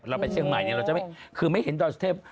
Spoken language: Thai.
เราไปเชียงใหม่คือไม่เห็นดอยสุเทพฯ